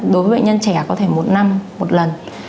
đối với bệnh nhân trẻ có thể một năm một lần